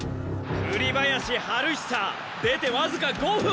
栗林晴久出て僅か５分。